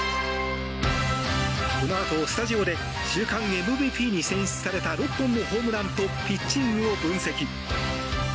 このあとスタジオで週間ＭＶＰに選出された６本のホームランとピッチングを分析。